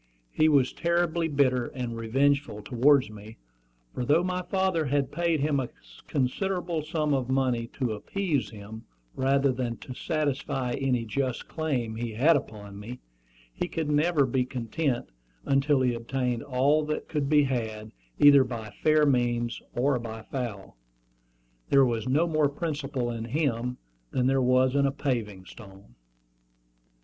He was terribly bitter and revengeful towards me; for though my father had paid him a considerable sum of money to appease him, rather than to satisfy any just claim he had upon me, he could never be content until he obtained all that could be had, either by fair means or by foul. There was no more principle in him than there was in a paving stone.